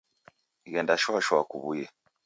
Ghenda shwa shwa kuwuye